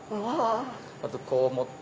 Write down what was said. まずこう持って。